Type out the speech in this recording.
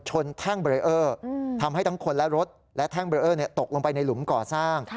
แท่งเบรเออร์ทำให้ทั้งคนและรถและแท่งเบรเออร์ตกลงไปในหลุมก่อสร้าง